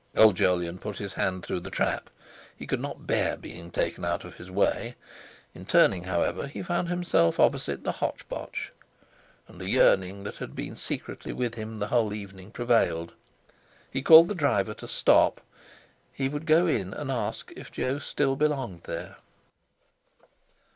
Old Jolyon put his hand through the trap (he could not bear being taken out of his way); in turning, however, he found himself opposite the "Hotch Potch," and the yearning that had been secretly with him the whole evening prevailed. He called to the driver to stop. He would go in and ask if Jo still belonged there.